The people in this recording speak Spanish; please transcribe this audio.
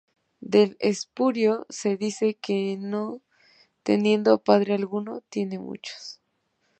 Del espurio se dice que no teniendo padre alguno, tiene muchos.